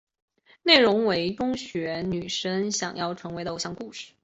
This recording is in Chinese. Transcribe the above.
内容为中学女生想要成为偶像的故事。